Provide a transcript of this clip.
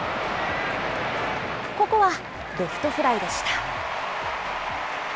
ここはレフトフライでした。